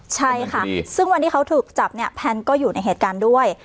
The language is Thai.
ใช่ค่ะซึ่งวันที่เขาถูกจับเนี่ยแพนก็อยู่ในเหตุการณ์ด้วย